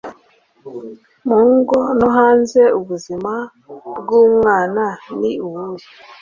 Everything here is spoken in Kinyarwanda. mu ngo no hanze, ubuzima bwumwana ni ubuhe